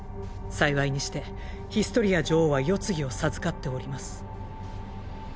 幸いにしてヒストリア女王は世継ぎを授かっております。